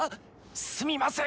すみません！